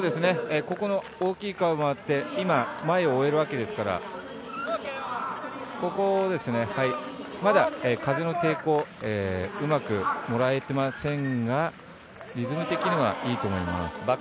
ここの大きいカーブもあって今、前を追えるわけですからここを、まだ風の抵抗うまくもらえてませんがリズム的にはいいと思います。